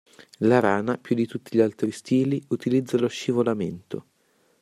La rana, più di tutti gli altri stili, utilizza lo scivolamento.